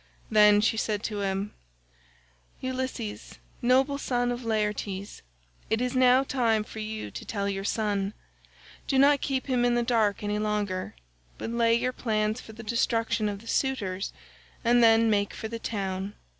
Then she said to him: "Ulysses, noble son of Laertes, it is now time for you to tell your son: do not keep him in the dark any longer, but lay your plans for the destruction of the suitors, and then make for the town.